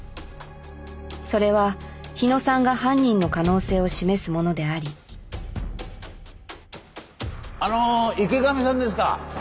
それは日野さんが犯人の可能性を示すものでありあの池上さんですか？